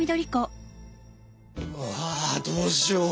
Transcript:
わどうしよう。